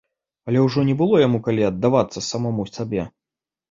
Але ўжо не было яму калі аддавацца самому сабе.